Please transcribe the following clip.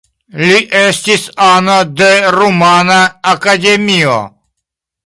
Li estis ano de Rumana Akademio.